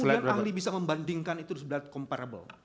bagaimana kemudian ahli bisa membandingkan itu dengan sirecap